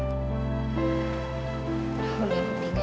udah lebih gandi